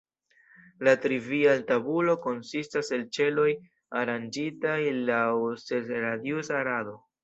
La trivial-tabulo konsistas el ĉeloj aranĝitaj laŭ ses-radiusa rado.